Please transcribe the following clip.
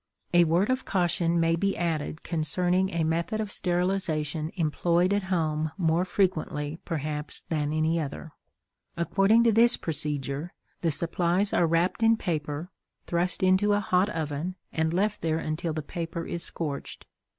A word of caution may be added concerning a method of sterilization employed at home more frequently, perhaps, than any other. According to this procedure, the supplies are wrapped in paper, thrust into a hot oven, and left there until the paper is scorched.